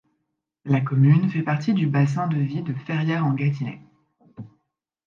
La commune fait partie du bassin de vie de Ferrières-en-Gâtinais.